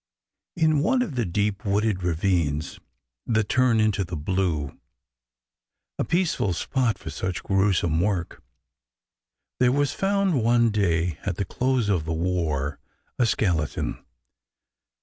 In one of the deep wooded ravines that turn into the Blue— a peaceful spot for such gruesome work — there was found one day at the close of the war a skeleton.